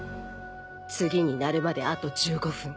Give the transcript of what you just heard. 次に鳴るまであと１５分。